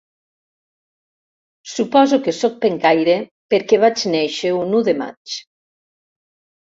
Suposo que soc pencaire perquè vaig néixer un u de maig.